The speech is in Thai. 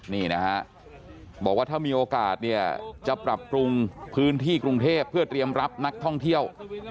นี่นะฮะบอกว่าถ้ามีโอกาสเนี่ยจะปรับปรุงพื้นที่กรุงเทพเพื่อเตรียมรับนักท่องเที่ยว